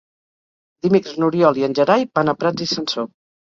Dimecres n'Oriol i en Gerai van a Prats i Sansor.